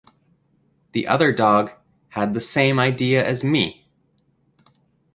The other dog had the same idea as me!